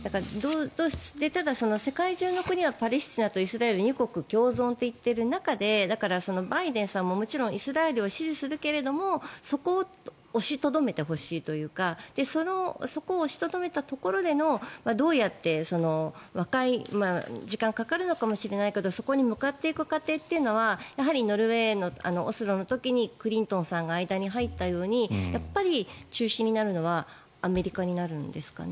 ただ、世界中の国はイスラエルとパレスチナ２国共存と言っている中でバイデンさんも、もちろんイスラエルを支持するけれどもそこを押しとどめてほしいというかそこを押しとどめたところでのどうやって和解時間がかかるのかもしれないけどそこに向かっていく過程というのはやはりノルウェーのオスロの時にクリントンさんが間に入ったようにやっぱり中心になるのはアメリカになるんですかね？